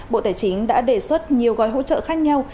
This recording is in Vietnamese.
bộ tài chính đã đề xuất nhiều gói hỗ trợ khác nhau